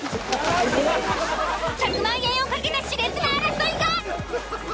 １００万円を懸けた熾烈な争いが。